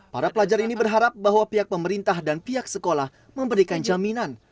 para pelajar ini berharap bahwa pihak pemerintah dan pihak sekolah memberikan jaminan